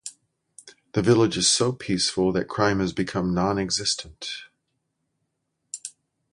The village is so peaceful that crime has become nonexistent.